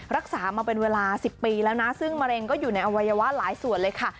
รักษามาเป็นเวลา๑๐ปีแล้วนะซึ่งมะเร็งก็อยู่ในอวัยวะหลายส่วนเลยค่ะ